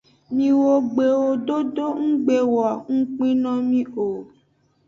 Miwo gbewo dodo nggbe wo ngukpe no mi o.